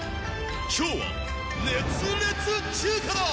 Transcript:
今日は熱烈中華だ。